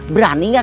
berani gak kamu